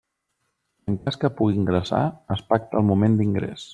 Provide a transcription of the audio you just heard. En cas que pugui ingressar, es pacta el moment d'ingrés.